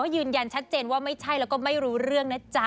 ยืนยันชัดเจนว่าไม่ใช่แล้วก็ไม่รู้เรื่องนะจ๊ะ